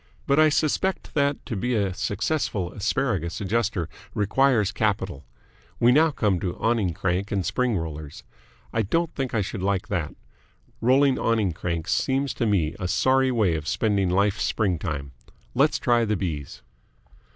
But I suspect that to be a successful Asparagus Adjuster requires capital. We now come to Awning Crank and Spring Rollers. I don't think I should like that. Rolling awning cranks seems to me a sorry way of spending life's springtime. Let's try the B's."